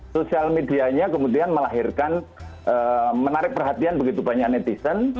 sosial medianya kemudian melahirkan menarik perhatian begitu banyak netizen